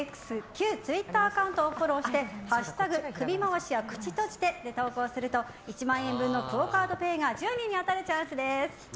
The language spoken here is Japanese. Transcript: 旧ツイッターアカウントをフォローして「＃首回しは口閉じて」で投稿すると１万円分のＱＵＯカードＰａｙが１０人に当たるチャンスです。